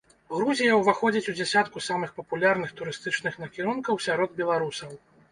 Грузія ўваходзіць ў дзясятку самых папулярных турыстычных накірункаў сярод беларусаў.